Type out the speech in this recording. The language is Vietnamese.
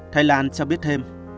thành lan cho biết thêm